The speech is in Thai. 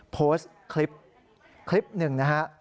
โพสต์คลิปหนึ่งนะฮะ